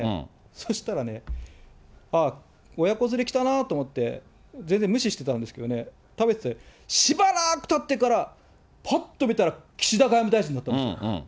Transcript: そしたらね、あー、親子連れ来たなと思って、全然無視してたんですけどね、食べてて、しばらくたってから、ぱっと見たら岸田外務大臣だったんですよ。